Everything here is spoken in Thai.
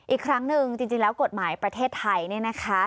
อีกครั้งหนึ่งจริงแล้วกฎหมายประเทศไทย